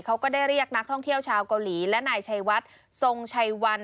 เขาก็ได้เรียกนักท่องเที่ยวชาวเกาหลีและนายชัยวัดทรงชัยวัน